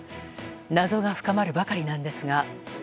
謎が深まるばかりなんですが。